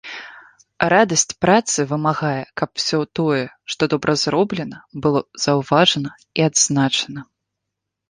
Радасць працы вымагае, каб усё тое, што добра зроблена, было заўважана і адзначана.